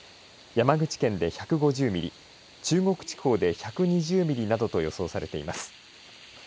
山口県で１５０ミリ中国地方で１２０ミリなどと予想されています。